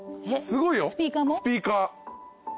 すごいよスピーカー。